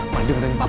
ma dengerin papa dulu